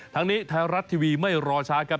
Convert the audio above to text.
ทางนี้ไทยรัฐทีวีไม่รอช้าครับ